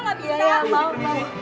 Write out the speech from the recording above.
masa nyari anjing budal gak bisa